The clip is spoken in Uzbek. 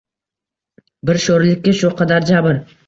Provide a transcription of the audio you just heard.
Bir sho‘rlikka shu qadar jabr